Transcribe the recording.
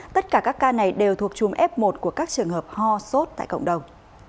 tất cả các ca này đều thuộc chùm f một của các trường hợp ho sốt tại cộng đồng